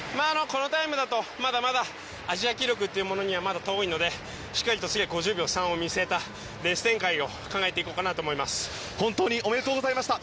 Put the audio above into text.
このタイムだとまだまだアジア記録というものにはまだ遠いのでしっかりと５０秒３を見据えたレース展開をおめでとうございました。